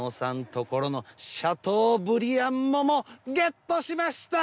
ところのシャトーブリアン桃ゲットしました！